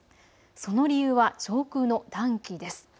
その理由は上空の暖気です。